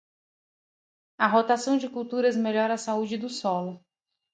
A rotação de culturas melhora a saúde do solo.